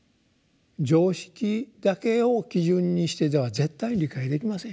常識だけを基準にしていては絶対理解できませんよ。